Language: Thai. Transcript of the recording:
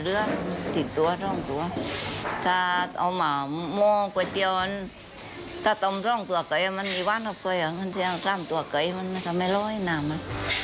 เราก็จะตั้งตัวไก่ไม่หนั้งน้ำ